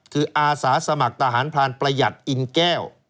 คืออาสาสมัครทหารพรานประหยัดอินแก้ว